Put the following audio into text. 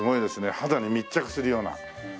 肌に密着するような。